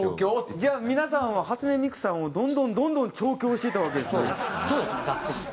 じゃあ皆さんは初音ミクさんをどんどんどんどん調教していったわけですね。